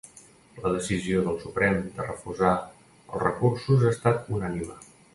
La decisió del Suprem de refusar els recursos ha estat unànime.